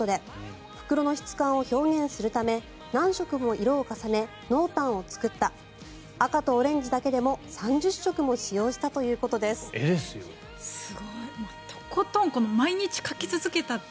中でも苦労したのは光沢感だということで袋の質感を表現するため何色も色を重ね濃淡を作った赤とオレンジだけでも３０色も使用したということです。